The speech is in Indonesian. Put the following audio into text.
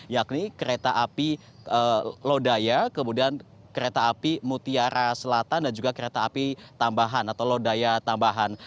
yakni kereta api lodaya kemudian kereta api mutiara selatan dan juga kereta api tambahan atau lodaya tambahan